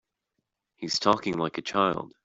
He's talking like a child.